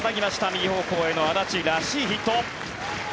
右方向への安達らしいヒット。